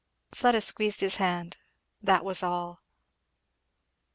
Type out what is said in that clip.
Fleda squeezed his hand, that was all.